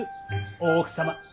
大奥様。